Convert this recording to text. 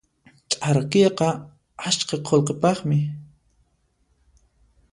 Ch'arkiyqa askha qullqipaqmi.